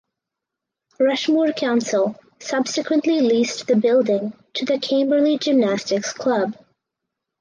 Rushmoor Council subsequently leased the building to the Camberley Gymnastics Club.